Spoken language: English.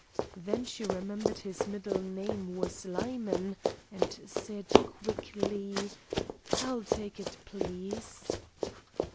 Then she remembered his middle name was Lyman, and said quickly, "I'll take it, please."